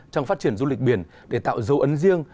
trong phát triển du lịch biển để tạo dấu ấn riêng